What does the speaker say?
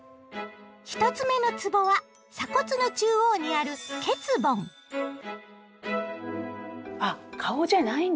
１つ目のつぼは鎖骨の中央にあるあっ顔じゃないんですね。